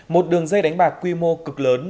một đường dây đánh bạc quy mô cực lớn